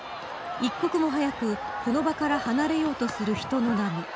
一刻も早くこの場から離れようとする人の波。